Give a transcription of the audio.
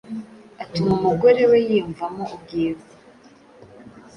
Atuma umugore we yiyumvamo ubwiza: